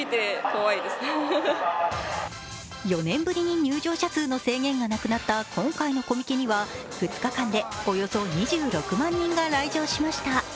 ４年ぶりに入場者数の制限がなくなった今回のコミケには２日間でおよそ２６万人が来場しました。